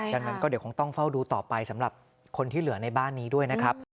ดังนั้นก็เดี๋ยวคงต้องเฝ้าดูต่อไปสำหรับคนที่เหลือในบ้านนี้ด้วยนะครับ